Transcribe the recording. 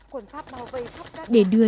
quân pháp bảo vệ khắp đất